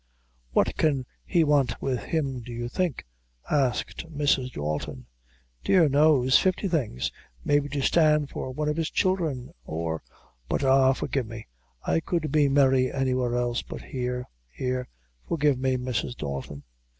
"What can he want with him, do you think?" asked Mrs. Dalton. "Dear knows fifty things maybe to stand for one of his childhre or but, ah! forgive me I could be merry anywhere else; but here here forgive me, Mrs. Dalton."